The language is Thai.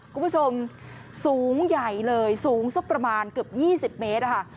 คุณผู้ชมสูงใหญ่เลยสูงสักประมาณเกือบ๒๐เมตรค่ะ